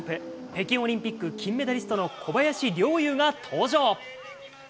北京オリンピック金メダリストの小林陵侑が登場。